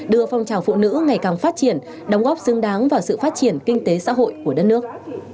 đưa phong trào phụ nữ ngày càng phát triển đóng góp xứng đáng vào sự phát triển kinh tế xã hội của đất nước